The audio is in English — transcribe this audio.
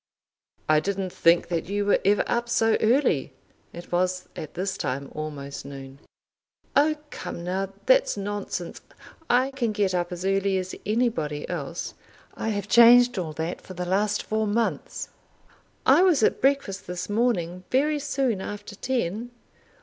"I didn't think that you were ever up so early." It was at this time almost noon. "Oh, come now, that's nonsense. I can get up as early as anybody else. I have changed all that for the last four months. I was at breakfast this morning very soon after ten."